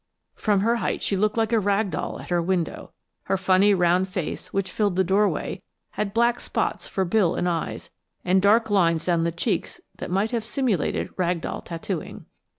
From her height she looked like a rag doll at her window. Her funny round face, which filled the doorway, had black spots for bill and eyes, and dark lines down the cheeks that might have simulated rag doll tattooing.